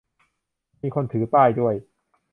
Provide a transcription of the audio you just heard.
มีคนถือป้ายด้วย